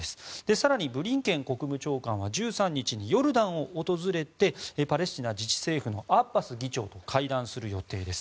更にブリンケン国務長官は１３日にヨルダンを訪れてパレスチナ自治政府のアッバス議長と会談する予定です。